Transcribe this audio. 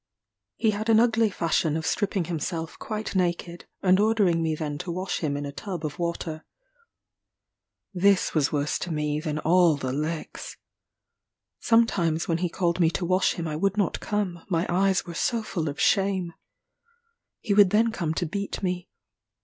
He had an ugly fashion of stripping himself quite naked, and ordering me then to wash him in a tub of water. This was worse to me than all the licks. Sometimes when he called me to wash him I would not come, my eyes were so full of shame. He would then come to beat me.